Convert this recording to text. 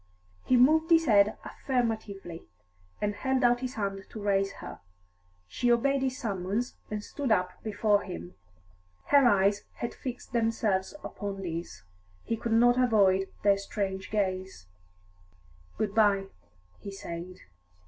He moved his head affirmatively, and held out his hand to raise her. She obeyed his summons, and stood up before him; her eyes had fixed themselves upon his; he could not avoid their strange gaze. "Good bye," he said.